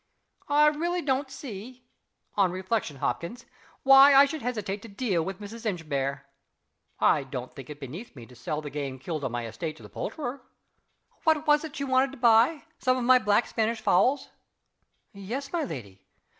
"I really don't see on reflection, Hopkins why I should hesitate to deal with Mrs. Inchbare. (I don't think it beneath me to sell the game killed on my estate to the poulterer.) What was it she wanted to buy? Some of my black Spanish fowls?" "Yes, my lady.